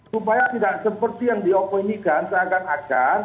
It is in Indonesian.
supaya tidak seperti yang diopinikan seakan akan